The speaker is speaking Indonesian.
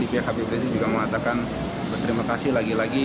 pihak habib rizik juga mengatakan berterima kasih lagi lagi